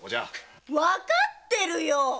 わかってるよ！